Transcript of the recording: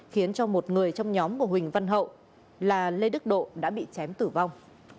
khiến cho một người trong nhóm của huỳnh văn hậu là lê đức độ đã bị chém tử vong